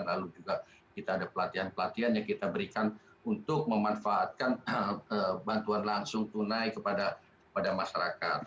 lalu juga kita ada pelatihan pelatihan yang kita berikan untuk memanfaatkan bantuan langsung tunai kepada masyarakat